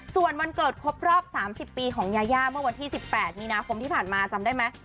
ส่วนวันเกิดครบรอบ๓๐ปีของยาย่าเมื่อวันที่๑๘มีนาคมที่ผ่านมาจำได้ไหม